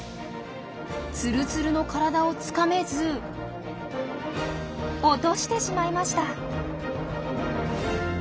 ツルツルの体をつかめず落としてしまいました。